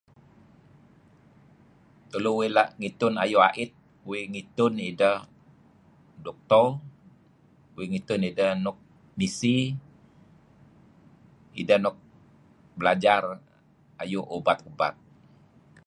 Tulu uih la' ngitun ayu' ait uih ngitun ideh doctor uih ngitun ideh nuk Misi ideh nuk belajar ayu' ubat-ubat.